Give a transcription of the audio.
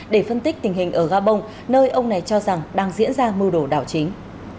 để phân tích tình hình ở gabon nơi ông này cho rằng đang diễn ra mưu đồ đảo chính